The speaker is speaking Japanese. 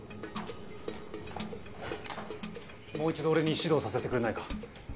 もう一度俺に指導させてくれないか？